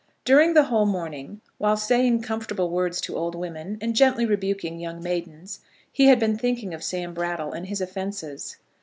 During the whole morning, while saying comfortable words to old women, and gently rebuking young maidens, he had been thinking of Sam Brattle and his offences.